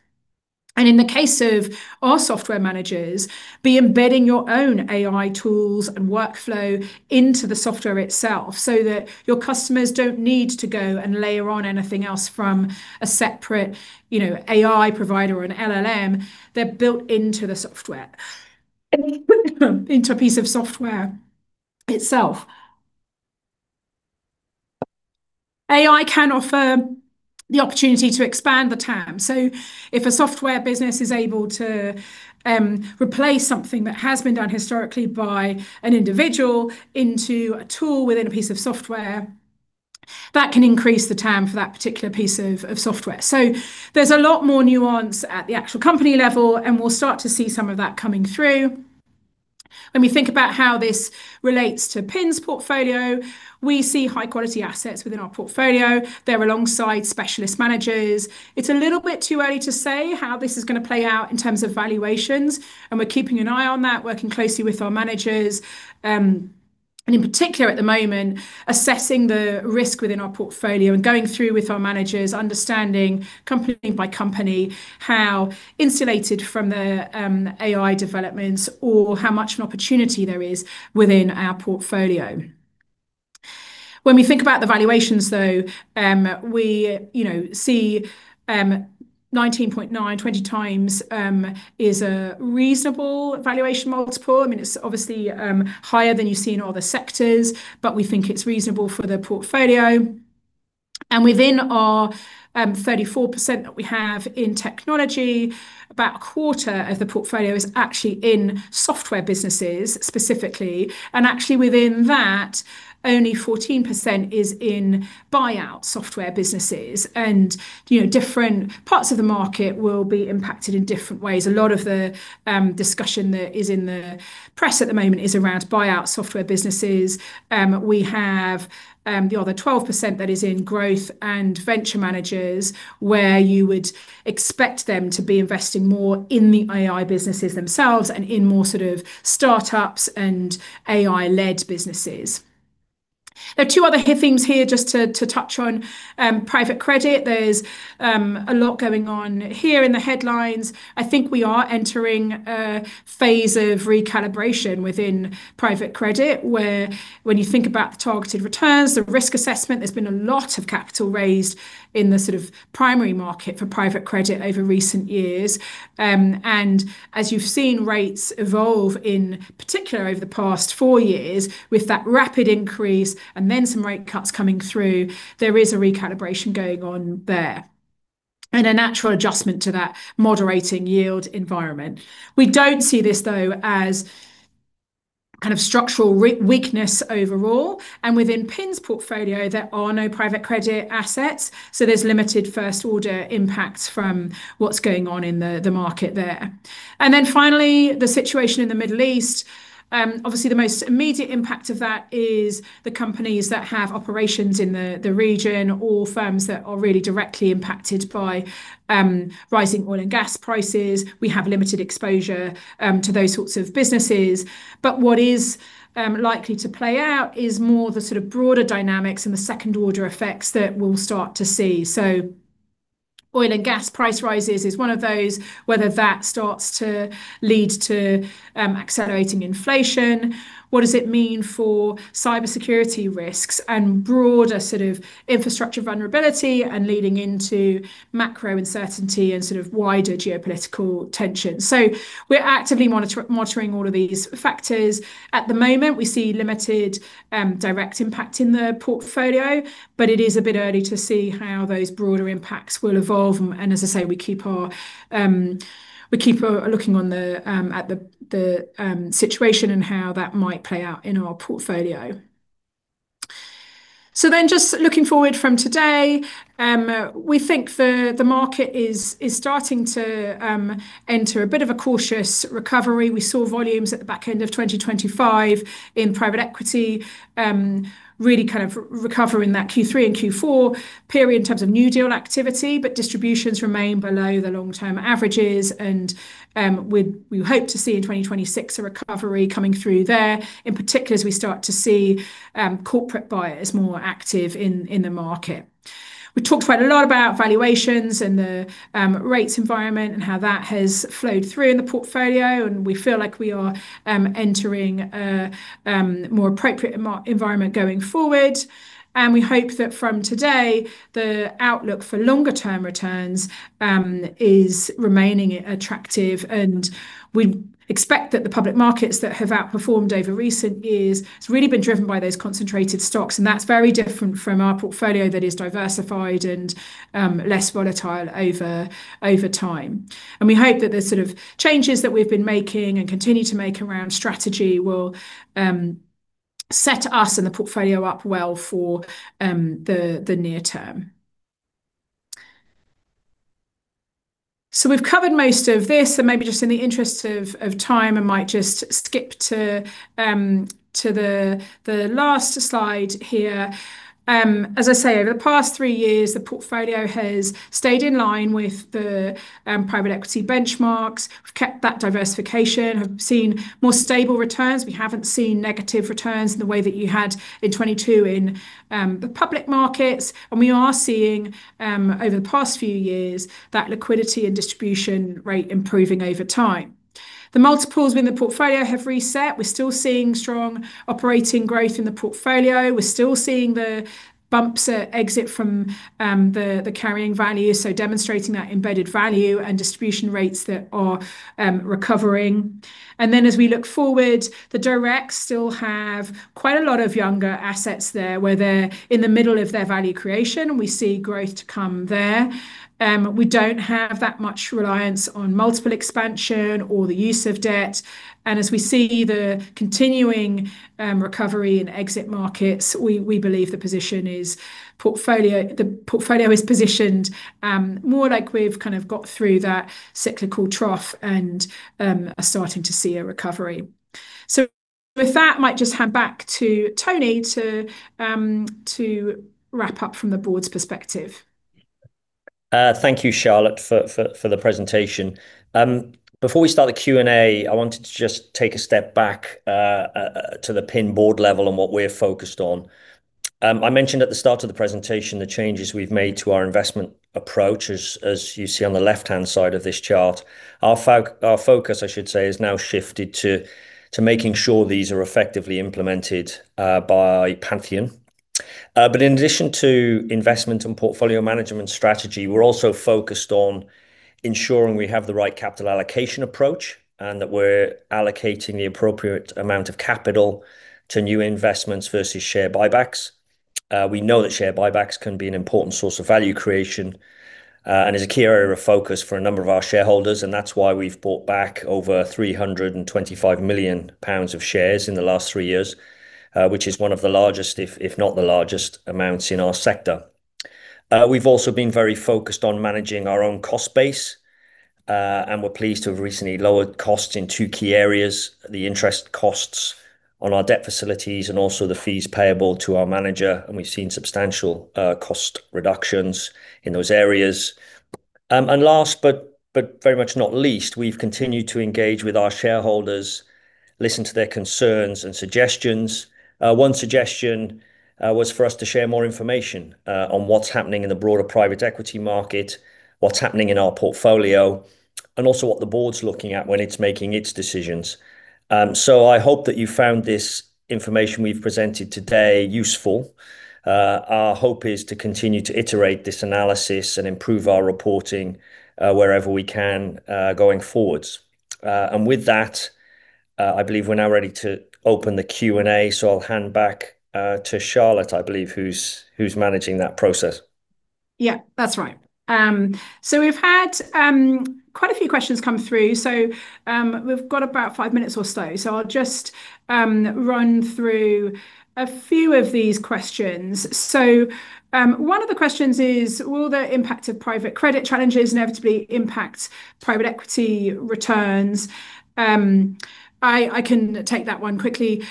In the case of our software managers, by embedding your own AI tools and workflow into the software itself so that your customers don't need to go and layer on anything else from a separate, you know, AI provider or an LLM. They're built into the software, into a piece of software itself. AI can offer the opportunity to expand the TAM. If a software business is able to replace something that has been done historically by an individual into a tool within a piece of software, that can increase the TAM for that particular piece of software. There's a lot more nuance at the actual company level, and we'll start to see some of that coming through. When we think about how this relates to PIN's portfolio, we see high quality assets within our portfolio. They're alongside specialist managers. It's a little bit too early to say how this is gonna play out in terms of valuations, and we're keeping an eye on that, working closely with our managers, and in particular at the moment, assessing the risk within our portfolio and going through with our managers, understanding company by company how insulated from the AI developments or how much an opportunity there is within our portfolio. When we think about the valuations though, we, you know, see 19.9x-20x is a reasonable valuation multiple. I mean, it's obviously higher than you see in other sectors, but we think it's reasonable for the portfolio. Within our 34% that we have in technology, about a quarter of the portfolio is actually in software businesses specifically. Actually within that, only 14% is in buyout software businesses. You know, different parts of the market will be impacted in different ways. A lot of the discussion that is in the press at the moment is around buyout software businesses. We have the other 12% that is in growth and venture managers where you would expect them to be investing more in the AI businesses themselves and in more sort of startups and AI-led businesses. There are two other hot things here just to touch on, private credit. There's a lot going on here in the headlines. I think we are entering a phase of recalibration within private credit, where when you think about the targeted returns, the risk assessment, there's been a lot of capital raised in the sort of primary market for private credit over recent years. As you've seen rates evolve, in particular over the past four years, with that rapid increase and then some rate cuts coming through, there is a recalibration going on there and a natural adjustment to that moderating yield environment. We don't see this though as kind of structural re-weakness overall, and within PIN's portfolio, there are no private credit assets, so there's limited first order impact from what's going on in the market there. Then finally, the situation in the Middle East, obviously the most immediate impact of that is the companies that have operations in the region or firms that are really directly impacted by rising oil and gas prices. We have limited exposure to those sorts of businesses. What is likely to play out is more the sort of broader dynamics and the second order effects that we'll start to see. Oil and gas price rises is one of those, whether that starts to lead to accelerating inflation, what does it mean for cybersecurity risks and broader sort of infrastructure vulnerability and leading into macro uncertainty and sort of wider geopolitical tension. We're actively monitoring all of these factors. At the moment, we see limited direct impact in the portfolio, but it is a bit early to see how those broader impacts will evolve and as I say, we keep looking at the situation and how that might play out in our portfolio. Just looking forward from today, we think the market is starting to enter a bit of a cautious recovery. We saw volumes at the back end of 2025 in private equity really kind of recover in that Q3 and Q4 period in terms of new deal activity, but distributions remain below the long-term averages and we hope to see in 2026 a recovery coming through there, in particular as we start to see corporate buyers more active in the market. We talked quite a lot about valuations and the rates environment and how that has flowed through in the portfolio, and we feel like we are entering a more appropriate environment going forward. We hope that from today the outlook for longer term returns is remaining attractive, and we expect that the public markets that have outperformed over recent years, it's really been driven by those concentrated stocks, and that's very different from our portfolio that is diversified and less volatile over time. We hope that the sort of changes that we've been making and continue to make around strategy will set us and the portfolio up well for the near term. We've covered most of this, and maybe just in the interest of time, I might just skip to the last slide here. As I say, over the past three years, the portfolio has stayed in line with the private equity benchmarks. We've kept that diversification and have seen more stable returns. We haven't seen negative returns in the way that you had in 2022 in the public markets. We are seeing over the past few years that liquidity and distribution rate improving over time. The multiples within the portfolio have reset. We're still seeing strong operating growth in the portfolio. We're still seeing the bumps at exit from the carrying value, so demonstrating that embedded value and distribution rates that are recovering. As we look forward, the directs still have quite a lot of younger assets there where they're in the middle of their value creation, and we see growth to come there. We don't have that much reliance on multiple expansion or the use of debt, and as we see the continuing recovery in exit markets, we believe the position is portfolio. The portfolio is positioned more like we've kind of got through that cyclical trough and are starting to see a recovery. With that, might just hand back to Tony to wrap up from the board's perspective. Thank you, Charlotte, for the presentation. Before we start the Q&A, I wanted to just take a step back to the PIN board level and what we're focused on. I mentioned at the start of the presentation the changes we've made to our investment approach, as you see on the left-hand side of this chart. Our focus, I should say, is now shifted to making sure these are effectively implemented by Pantheon. But in addition to investment and portfolio management strategy, we're also focused on ensuring we have the right capital allocation approach and that we're allocating the appropriate amount of capital to new investments versus share buybacks. We know that share buybacks can be an important source of value creation, and is a key area of focus for a number of our shareholders, and that's why we've bought back over 325 million pounds of shares in the last three years, which is one of the largest, if not the largest amount in our sector. We've also been very focused on managing our own cost base, and we're pleased to have recently lowered costs in two key areas, the interest costs on our debt facilities and also the fees payable to our manager, and we've seen substantial cost reductions in those areas. Last but very much not least, we've continued to engage with our shareholders, listen to their concerns and suggestions. One suggestion was for us to share more information on what's happening in the broader private equity market, what's happening in our portfolio, and also what the board's looking at when it's making its decisions. I hope that you found this information we've presented today useful. Our hope is to continue to iterate this analysis and improve our reporting wherever we can going forwards. With that, I believe we're now ready to open the Q&A, so I'll hand back to Charlotte, I believe, who's managing that process. Yeah. That's right. We've had quite a few questions come through. We've got about five minutes or so. I'll just run through a few of these questions. One of the questions is, will the impact of private credit challenges inevitably impact private equity returns? I can take that one quickly.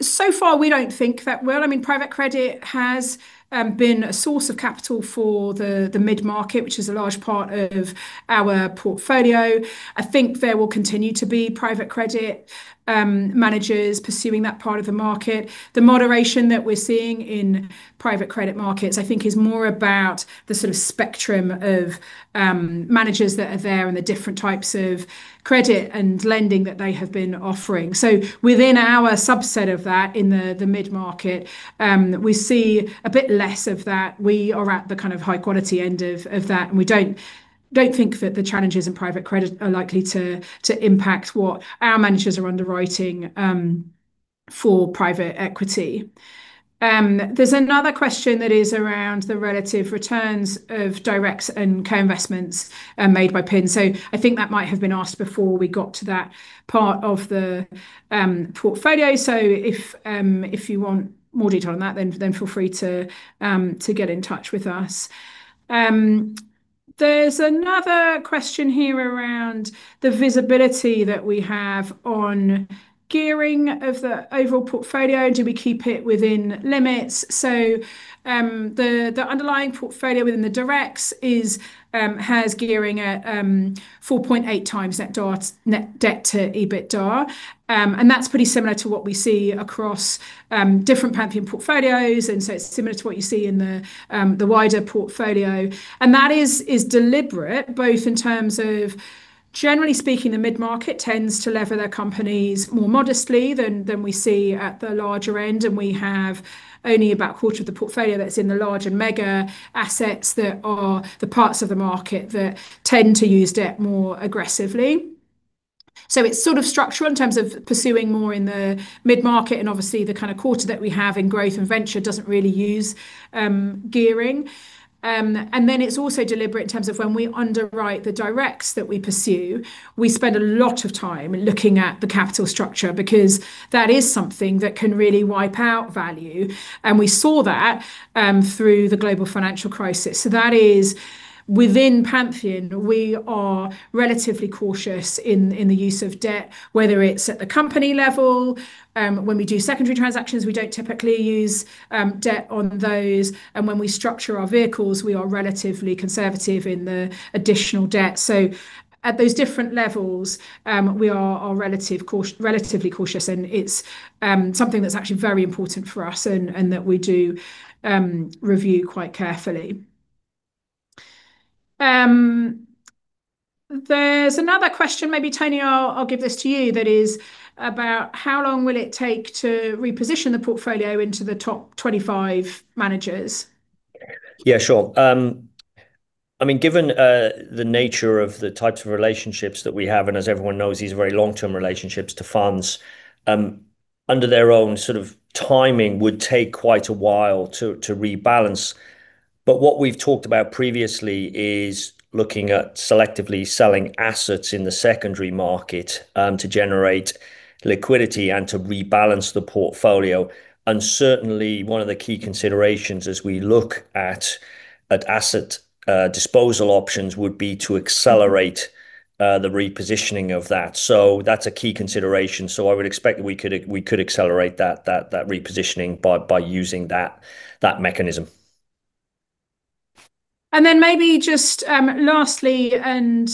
So far we don't think that will. I mean, private credit has been a source of capital for the mid-market, which is a large part of our portfolio. I think there will continue to be private credit managers pursuing that part of the market. The moderation that we're seeing in private credit markets, I think, is more about the sort of spectrum of managers that are there and the different types of credit and lending that they have been offering. Within our subset of that in the mid-market, we see a bit less of that. We are at the kind of high quality end of that, and we don't think that the challenges in private credit are likely to impact what our managers are underwriting for private equity. There's another question that is around the relative returns of directs and co-investments made by PIN. I think that might have been asked before we got to that part of the portfolio. If you want more detail on that, then feel free to get in touch with us. There's another question here around the visibility that we have on gearing of the overall portfolio. Do we keep it within limits? The underlying portfolio within the directs has gearing at 4.8x net debt to EBITDA. That's pretty similar to what we see across different Pantheon portfolios, and it's similar to what you see in the wider portfolio. That is deliberate, both in terms of, generally speaking, the mid-market tends to leverage their companies more modestly than we see at the larger end, and we have only about a quarter of the portfolio that's in the large and mega assets that are the parts of the market that tend to use debt more aggressively. It's sort of structural in terms of pursuing more in the mid-market, and obviously the kind of quarter that we have in growth and venture doesn't really use gearing. It's also deliberate in terms of when we underwrite the directs that we pursue. We spend a lot of time looking at the capital structure because that is something that can really wipe out value, and we saw that through the global financial crisis. That is within Pantheon. We are relatively cautious in the use of debt, whether it's at the company level. When we do secondary transactions, we don't typically use debt on those. When we structure our vehicles, we are relatively conservative in the additional debt. At those different levels, we are relatively cautious, and it's something that's actually very important for us and that we do review quite carefully. There's another question, maybe Tony I'll give this to you, that is about how long will it take to reposition the portfolio into the top 25 managers? Yeah, sure. I mean, given the nature of the types of relationships that we have, and as everyone knows, these are very long-term relationships to funds, under their own sort of timing would take quite a while to rebalance. What we've talked about previously is looking at selectively selling assets in the secondary market, to generate liquidity and to rebalance the portfolio. Certainly one of the key considerations as we look at asset disposal options would be to accelerate the repositioning of that. That's a key consideration. I would expect we could accelerate that repositioning by using that mechanism. Maybe just lastly, there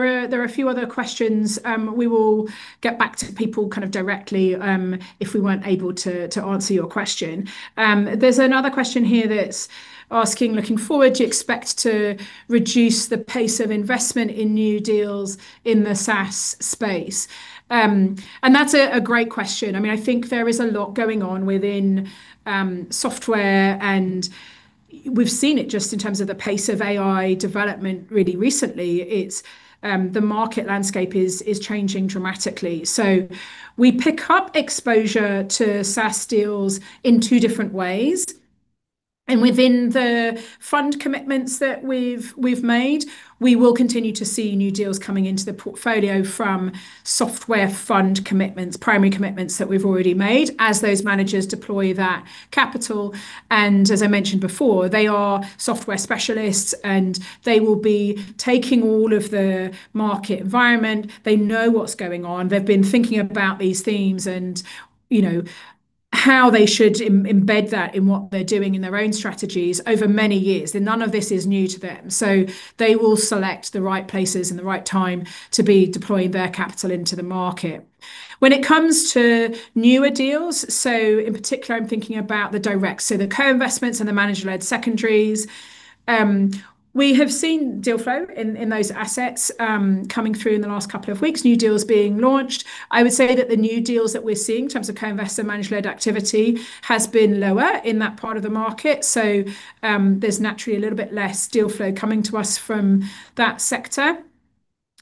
are a few other questions, we will get back to people kind of directly, if we weren't able to answer your question. There's another question here that's asking, looking forward, do you expect to reduce the pace of investment in new deals in the SaaS space? That's a great question. I mean, I think there is a lot going on within software, and we've seen it just in terms of the pace of AI development really recently. It's the market landscape is changing dramatically. We pick up exposure to SaaS deals in two different ways. Within the fund commitments that we've made, we will continue to see new deals coming into the portfolio from software fund commitments, primary commitments that we've already made as those managers deploy that capital. As I mentioned before, they are software specialists, and they will be taking account of the market environment. They know what's going on. They've been thinking about these themes and, you know, how they should embed that in what they're doing in their own strategies over many years. None of this is new to them. They will select the right places and the right time to be deploying their capital into the market. When it comes to newer deals, so in particular, I'm thinking about the direct. The co-investments and the manager-led secondaries. We have seen deal flow in those assets coming through in the last couple of weeks, new deals being launched. I would say that the new deals that we're seeing in terms of co-invest or manager-led activity has been lower in that part of the market. There's naturally a little bit less deal flow coming to us from that sector.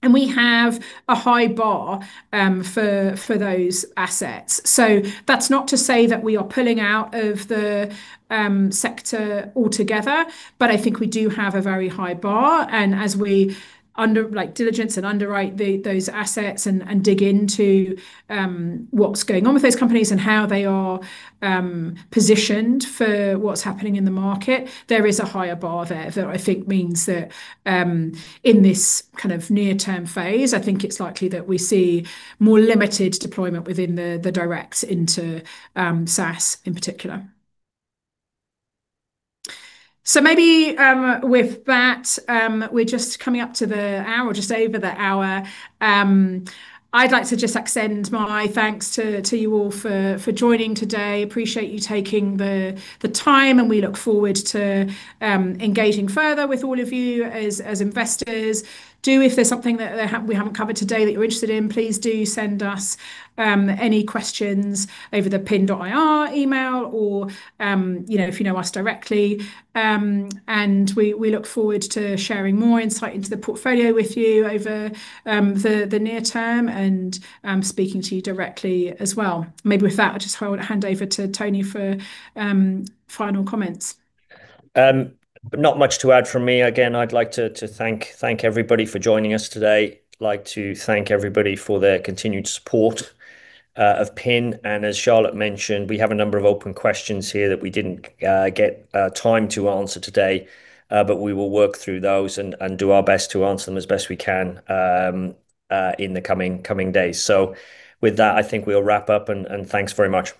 We have a high bar for those assets. That's not to say that we are pulling out of the sector altogether, but I think we do have a very high bar. As we undergo due diligence and underwrite those assets and dig into what's going on with those companies and how they are positioned for what's happening in the market, there is a higher bar there that I think means that in this kind of near term phase, I think it's likely that we see more limited deployment within the direct into SaaS in particular. So maybe with that, we're just coming up to the hour, just over the hour. I'd like to just extend my thanks to you all for joining today. Appreciate you taking the time, and we look forward to engaging further with all of you as investors. If there's something that we haven't covered today that you're interested in, please do send us any questions over the pin.ir@pantheon.com email or, you know, if you know us directly. We look forward to sharing more insight into the portfolio with you over the near term and speaking to you directly as well. Maybe with that, I just want to hand over to Tony for final comments. Not much to add from me. Again, I'd like to thank everybody for joining us today. I'd like to thank everybody for their continued support of PIN. As Charlotte mentioned, we have a number of open questions here that we didn't get time to answer today. We will work through those and do our best to answer them as best we can in the coming days. With that, I think we'll wrap up, and thanks very much.